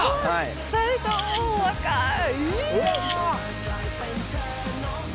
２人とも若い！